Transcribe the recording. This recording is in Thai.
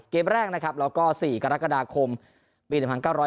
เกมแรกนะครับแล้วก็๔กรกฎาคมปี๑๙๐